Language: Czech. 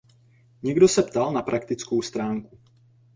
Někdo se ptal na praktickou stránku.